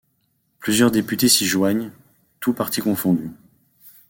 Plusieurs députés s'y joignent, tous partis confondus.